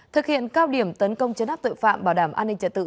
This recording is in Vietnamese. thực hiện cao điểm tấn công chấn áp tội phạm bảo đảm an ninh trật tự